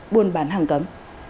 buôn bán hàng cấm